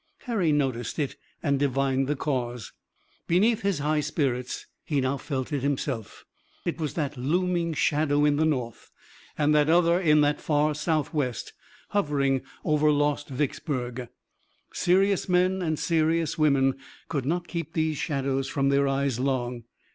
Harry noticed it and divined the cause. Beneath his high spirits he now felt it himself. It was that looming shadow in the North and that other in that far Southwest hovering over lost Vicksburg. Serious men and serious women could not keep these shadows from their eyes long.